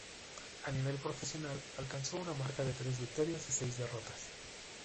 A nivel profesional alcanzó una marca de tres victorias y seis derrotas.